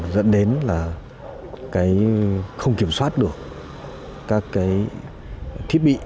dẫn đến là cái không kiểm soát được các cái thiết bị